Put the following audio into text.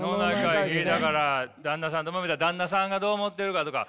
だから旦那さんともめたら旦那さんがどう思ってるかとか。